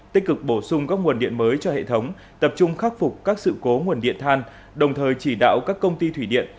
tích cực bổ sung các nguồn điện mới cho hệ thống tập trung khắc phục các sự cố nguồn điện than đồng thời chỉ đạo các công ty thủy điện